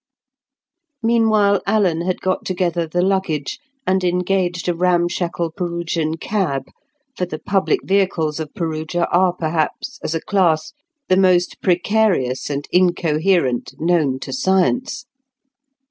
Meanwhile Alan had got together the luggage, and engaged a ramshackle Perugian cab; for the public vehicles of Perugia are perhaps, as a class, the most precarious and incoherent known to science.